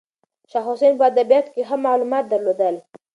شاه حسین په ادبیاتو کې ښه معلومات درلودل.